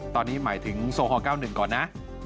ตอนนี้หมายถึงโซฮอล๙๑ก่อนนะ